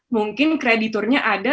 mungkin krediturnya ada